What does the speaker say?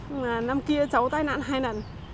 nhưng mà năm kia cháu tai nạn hai lần